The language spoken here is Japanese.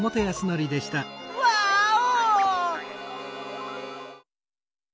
ワーオ！